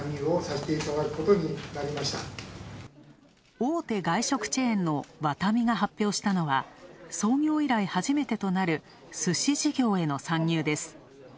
大手外食チェーンのワタミが発表したのは創業以来、初めてとなるすし事業への参入です。